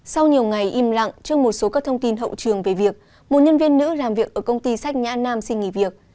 sau nhiều ngày im lặng trước một số các thông tin hậu trường về việc một nhân viên nữ làm việc ở công ty sách nhã nam xin nghỉ việc